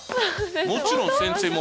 もちろん先生も！